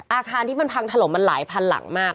อาคารที่มันพังถล่มมันหลายพันหลังมาก